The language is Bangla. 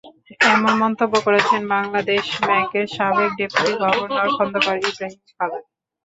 এমন মন্তব্য করেছেন বাংলাদেশ ব্যাংকের সাবেক ডেপুটি গভর্নর খন্দকার ইব্রাহীম খালেদ।